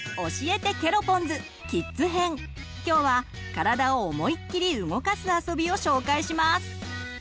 今日は体を思いっきり動かすあそびを紹介します。